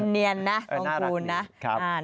เนียนนะทองคูณนะน่ารักดี